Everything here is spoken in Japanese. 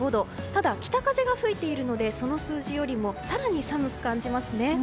ただ、北風が吹いているのでその数字よりも更に寒く感じますね。